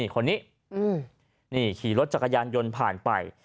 คนนี้นี่ขี่รถจักรยานยนต์ผ่านไป